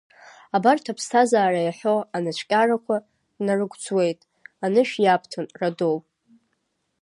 Абарҭ аԥсҭазаара иаҳәо анацәкьарақәа, днарыгәӡуеит, анышә иабҭон, Радоу.